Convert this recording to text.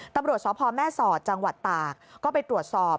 ตำรวจสพแม่สอดจังหวัดตากก็ไปตรวจสอบ